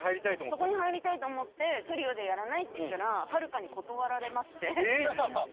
そこに入りたいと思って「トリオでやらない？」って言ったらはるかに断られまして。